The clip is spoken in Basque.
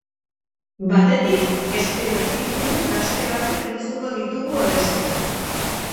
Batetik, espero ez ditugun gazte batzuk entzungo ditugu abesten.